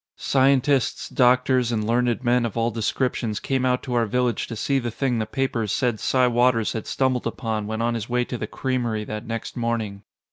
Scientists, doctors, and learned men of all descriptions came out to our village to see the thing the papers said Si Waters had stumbled upon when on his way to the creamery that next morning.